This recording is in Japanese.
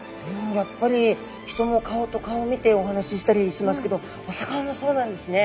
やっぱり人も顔と顔を見てお話ししたりしますけどお魚もそうなんですね。